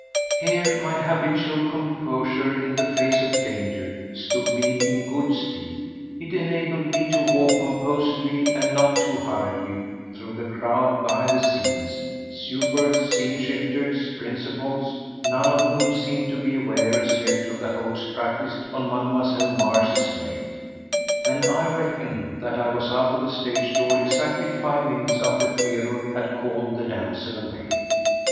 Here my habitual composure in the face of danger stood me in good stead. It enabled me to walk composedly and not too hurriedly through the crowd behind the scenes—supers, scene shifters, principals, none of whom seemed to be aware as yet of the hoax practised on Mademoiselle Mars' maid; and I reckon that I was out of the stage door exactly five minutes after Theodore had called the damsel away.